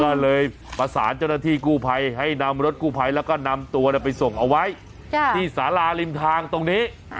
ก็เลยประสานเจ้าหน้าที่กู้ภัยให้นำรถกู้ภัยแล้วก็นำตัวไปส่งเอาไว้ที่สาราริมทางตรงนี้